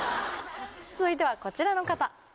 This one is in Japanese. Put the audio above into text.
続いてはこちらの方。